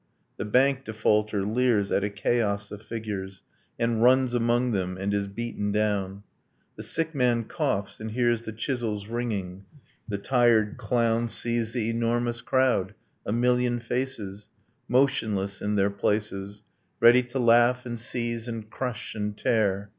. The bank defaulter leers at a chaos of figures, And runs among them, and is beaten down; The sick man coughs and hears the chisels ringing; The tired clown Sees the enormous crowd, a million faces, Motionless in their places, Ready to laugh, and seize, and crush and tear